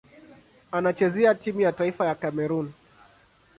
Anachezea timu ya taifa ya Kamerun.